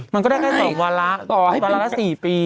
มันก็ได้แค่๒วันละ๔ปี